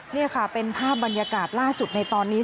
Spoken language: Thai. นี่ค่ะเป็นภาพบรรยากาศล่าสุดในตอนนี้